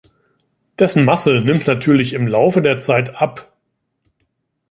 Dessen Masse nimmt natürlich im Laufe der Zeit ab.